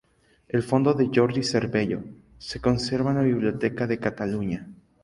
El fondo de Jordi Cervelló se conserva en la Biblioteca de Cataluña.